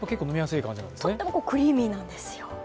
とってもクリーミーなんですよ。